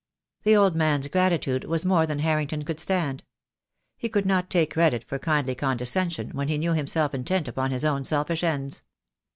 The old man's gratitude was more than Harrington could stand. He could not take credit for kindly con descension, when he knew himself intent upon his own selfish ends.